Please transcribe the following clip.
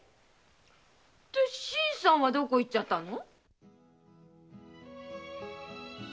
じゃ新さんはどこへ行っちゃったの？